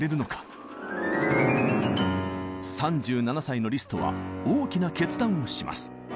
３７歳のリストは大きな決断をします。